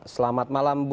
selamat malam bu